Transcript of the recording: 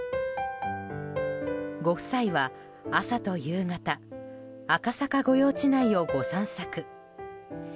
ご夫妻は朝と夕方赤坂御用地内をご散策。